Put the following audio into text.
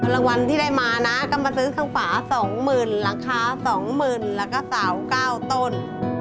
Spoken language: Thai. รางวัลที่ได้มานะก็มาซื้อข้างฝาสองหมื่นราคาสองหมื่นแล้วก็สาวเก้าต้น